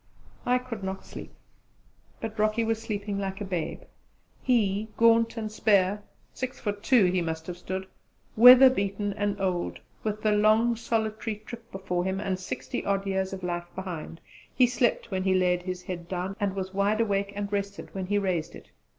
I could not sleep; but Rocky was sleeping like a babe. He, gaunt and spare 6 ft. 2 he must have stood weather beaten and old, with the long solitary trip before him and sixty odd years of life behind, he slept when he laid his head down, and was wide awake and rested when he raised it.